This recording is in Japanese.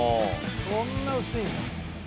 「そんな薄いんだ」